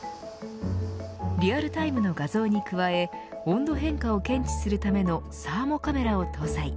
リアルタイムの画像に加え温度変化を検知するためのサーモカメラを搭載。